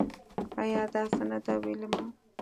ایا داسې نده ویلما